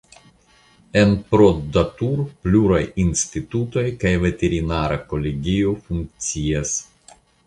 En Proddatur pluraj institutoj kaj veterinara kolegio funkcias.